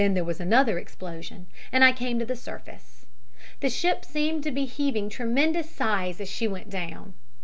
There was another explosion, and I came to the surface. The ship seemed to be heaving tremendous sighs as she went down.